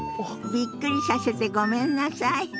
びっくりさせてごめんなさい。